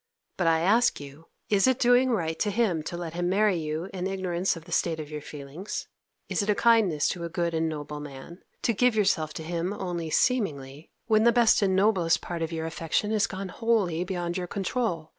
But I ask you, is it doing right to him to let him marry you in ignorance of the state of your feelings? Is it a kindness to a good and noble man to give yourself to him only seemingly, when the best and noblest part of your affection is gone wholly beyond your control.